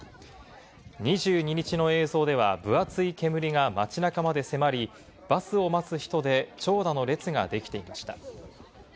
２２日の映像では分厚い煙が街中まで迫り、バスを待つ人で長蛇の列ができていました。